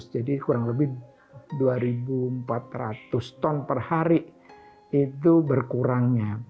jadi kurang lebih dua empat ratus ton per hari itu berkurangnya